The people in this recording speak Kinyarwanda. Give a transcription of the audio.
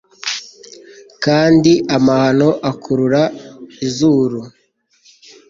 kandi, amahano akurura izuru